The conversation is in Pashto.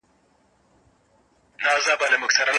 استاد امیرجان صبوري